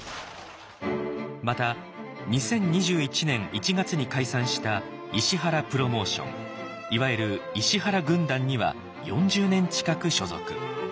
また２０２１年１月に解散した石原プロモーションいわゆる「石原軍団」には４０年近く所属。